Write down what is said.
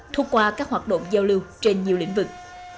thu qua các hoạt động giao lưu trên nhiều lĩnh vực